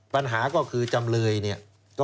ปัญหาก็คือจำเลย